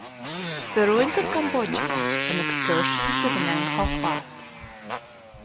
THE RUINS OF CAMBODIA. AN EXCURSION TO THE NAGHKON WATT.